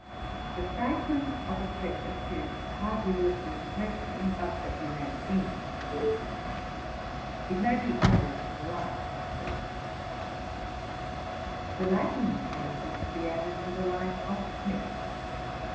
The fragment of a preface is hardly worth the impression, but that we may seem to do something. It may be added to the Life of Philips. The Latin page is to be added to the Life of Smith.